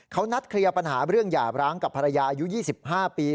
เขานัดเคลียร์ปัญหาเรื่องหย่าบร้างกับภรรยาอายุ๒๕ปี